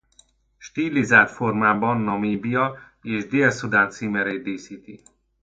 Stilizált formában Namíbia és Dél-Szudán címerét díszíti.